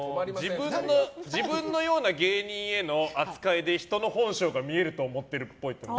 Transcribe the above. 自分のような芸人への扱いで人の本性が見えると思ってるっぽい。